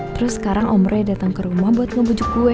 terus sekarang om roy dateng ke rumah buat ngebujuk gue